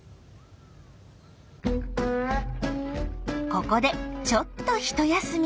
ここでちょっとひと休み。